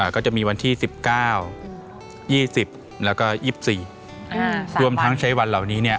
ก็จะมีวันที่๑๙๒๐และ๒๔รวมทั้งใช้วันเหล่านี้